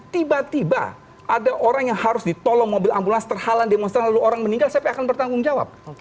tiba tiba ada orang yang harus ditolong mobil ambulans terhalang demonstran lalu orang meninggal sampai akan bertanggung jawab